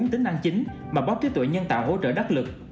bốn tính năng chính mà bot trí tuệ nhân tạo hỗ trợ đắt lực